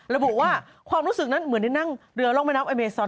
ระบุว่าความรู้สึกนั้นเหมือนได้นั่งเรือร่องแม่น้ำอเมซอน